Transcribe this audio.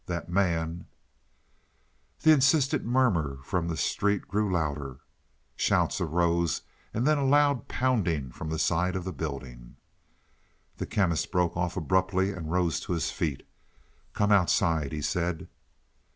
That man " The insistent murmur from the street grew louder. Shouts arose and then a loud pounding from the side of the building. The Chemist broke off abruptly and rose to his feet. "Come outside," he said.